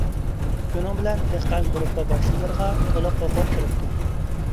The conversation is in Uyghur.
شۇنىڭ بىلەن دېھقان گۇرۇپپا باشلىقلىرىغا تولۇق ھوقۇق بېرىپتۇ.